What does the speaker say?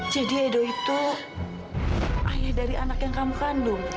jadi edo itu ayah dari anak yang kamu kandung